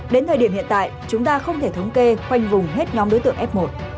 đến thời điểm hiện tại chúng ta không thể thống kê khoanh vùng hết nhóm đối tượng f một